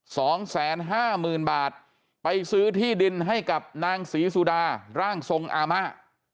สองแสนห้าหมื่นบาทไปซื้อที่ดินให้กับนางศรีสุดาร่างทรงอาม่า